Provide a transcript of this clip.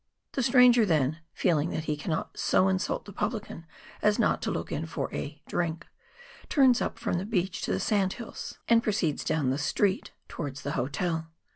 The stranger then, feeling that he cannot so insult the publican as not to look in for a " drink," turns up from the beach to the sandhills, and proceeds down COOK RIVER — BALFOUR GLACIER. 83 tLe " street " towards the " hotel."